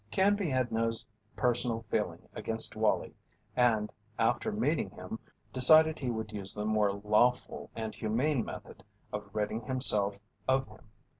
Canby had no personal feeling against Wallie and, after meeting him, decided he would use the more lawful and humane method of ridding himself of him.